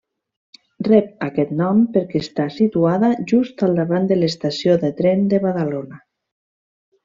Rep aquest nom perquè està situada just al davant de l'estació de tren de Badalona.